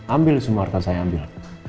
ambil semua harta saya ambil